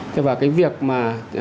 thế và cái việc mà